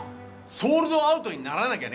ソールドアウトにならなきゃね。